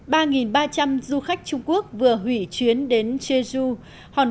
hàng nghìn du khách trung quốc từ chối lịch trình đến đảo jeju hôm một mươi một tháng ba